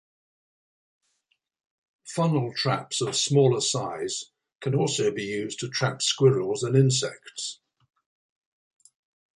Funnel traps of smaller size can also be used to trap squirrels and insects.